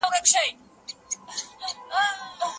ژوند یو امانت دی چي بیرته اخیستل کیږي.